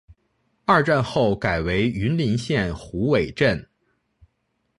二战后改为云林县虎尾镇。